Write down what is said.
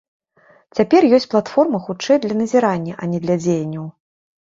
Цяпер ёсць платформа хутчэй для назірання, а не для дзеянняў.